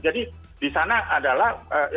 jadi di sana adalah